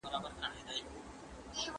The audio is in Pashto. بې وزله خلګ په مال کي برخه لري.